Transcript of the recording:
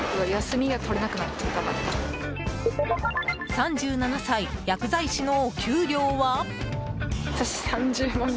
３７歳、薬剤師のお給料は？